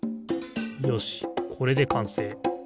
よしこれでかんせい。